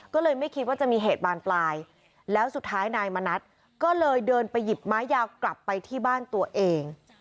ก็เลยไม่คิดว่าจะมีเหตุบานปลายแล้วสุดท้ายนายมณัฐก็เลยเดินไปหยิบไม้ยาวกลับไปที่บ้านตัวเอง